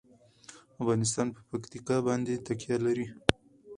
افغانستان په پکتیکا باندې تکیه لري.